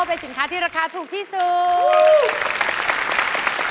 เป็นสินค้าที่ราคาถูกที่สุด